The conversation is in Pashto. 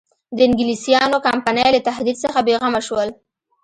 د انګلیسیانو کمپنۍ له تهدید څخه بېغمه شول.